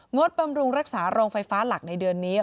บำรุงรักษาโรงไฟฟ้าหลักในเดือนนี้